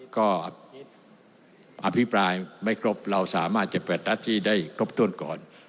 ก็อภิปรายไม่ครบเราสามารถจะเปิดรัฐที่ได้ครบถ้วนก่อน